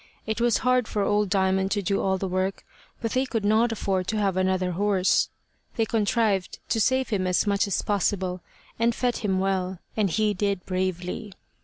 It was hard for old Diamond to do all the work, but they could not afford to have another horse. They contrived to save him as much as possible, and fed him well, and he did bravely.